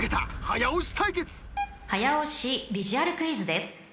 ［早押しビジュアルクイズです］